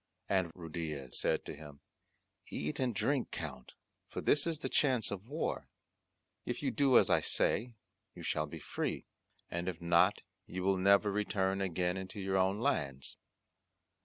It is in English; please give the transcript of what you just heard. And Ruydiez said to him, "Eat and drink, Count, for this is the chance of war; if you do as I say you shall be free; and if not you will never return again into your own lands."